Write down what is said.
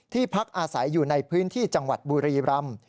พักอาศัยอยู่ในพื้นที่จังหวัดบุรีรำ